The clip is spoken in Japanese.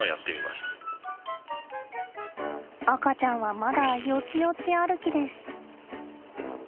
赤ちゃんはまだよちよち歩きです。